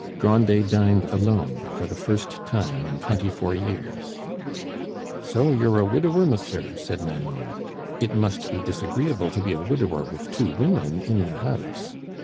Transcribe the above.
Grandet dined alone for the first time in twenty four years. "So you're a widower, monsieur," said Nanon; "it must be disagreeable to be a widower with two women in the house."